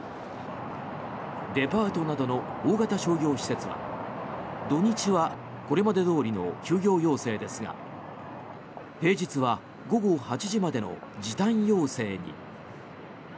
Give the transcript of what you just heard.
デパートなどの大型商業施設は土日はこれまでどおりの休業要請ですが平日は午後８時までの時短要請に。